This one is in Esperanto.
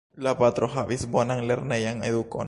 La patro havis bonan lernejan edukon.